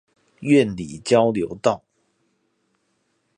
苑裡交流道